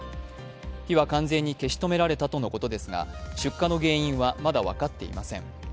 火は完全に消し止められたとのことですが、出火の原因はまだ分かっていません。